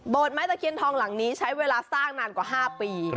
ไม้ตะเคียนทองหลังนี้ใช้เวลาสร้างนานกว่า๕ปี